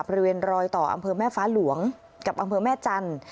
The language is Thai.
บริเวณรอยต่ออำเภอแม่ฟ้าหลวงกับอำเภอแม่จันทร์